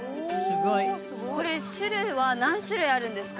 これ種類は何種類あるんですか？